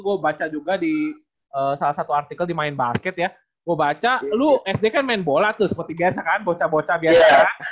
gue baca juga di salah satu artikel di main basket ya gue baca lu sd kan main bola tuh seperti biasa kan bocah bocah biasa